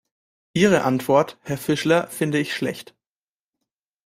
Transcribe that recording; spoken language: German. Ihre Antwort, Herr Fischler, finde ich schlecht.